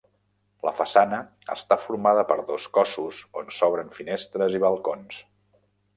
La façana està formada per dos cossos on s'obren finestres i balcons.